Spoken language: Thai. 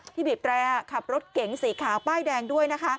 ที่บีบแจ้ขับรถเก๋งสีขาป้ายแดงด้วย